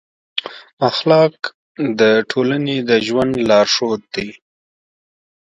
اخلاق د ټولنې د ژوند لارښود دي.